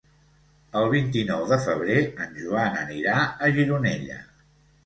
El vint-i-nou de febrer en Joan anirà a Gironella.